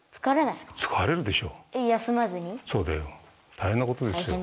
大変なことですよ。